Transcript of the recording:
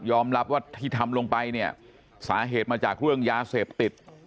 รับว่าที่ทำลงไปเนี่ยสาเหตุมาจากเรื่องยาเสพติด